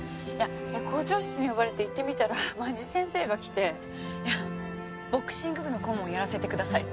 校長室に呼ばれて行ってみたら間地先生が来てボクシング部の顧問やらせてくださいって。